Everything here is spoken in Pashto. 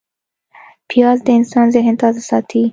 پیاز د انسان ذهن تازه ساتي